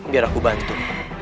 biar aku bantu